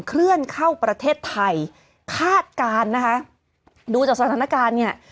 เคลื่อนเข้าประเทศไทยคาดการณ์นะคะดูจากสถานการณ์เนี่ย